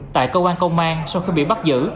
tại cơ quan công an sau khi bị bắt giữ